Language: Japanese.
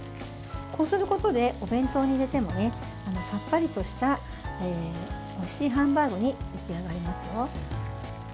こうすることでお弁当に入れてもさっぱりとしたおいしいハンバーグに出来上がりますよ。